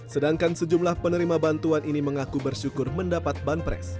sedangkan sejumlah penerima bantuan ini mengaku bersyukur mendapat banpres